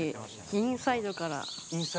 インサイドから？